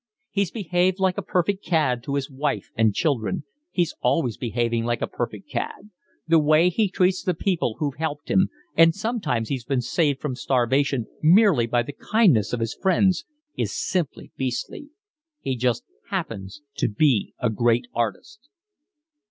He's behaved like a perfect cad to his wife and children, he's always behaving like a perfect cad; the way he treats the people who've helped him—and sometimes he's been saved from starvation merely by the kindness of his friends—is simply beastly. He just happens to be a great artist."